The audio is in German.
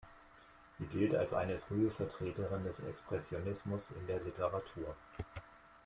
Sie gilt als eine frühe Vertreterin des Expressionismus in der Literatur.